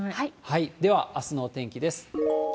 ではあすの天気です。